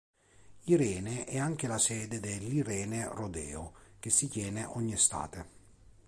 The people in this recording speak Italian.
Irene è anche la sede dell'Irene Rodeo, che si tiene ogni estate.